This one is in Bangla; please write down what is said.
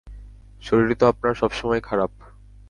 শরীর তো আপনার সবসময়ই খারাপ।